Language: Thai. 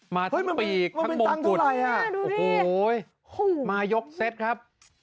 มาทั้งปีกทั้งมงกุฎโอ้โหมายกเซตครับ